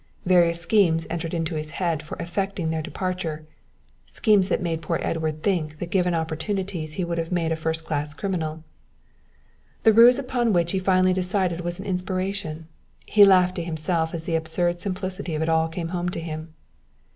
Various schemes entered into his head for effecting their departure, schemes that made poor Edward think that given opportunities he would have made a first class criminal. The ruse upon which he finally decided was an inspiration. He laughed to himself as the absurd simplicity of it all came home to him.